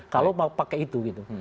kalau mau pakai itu gitu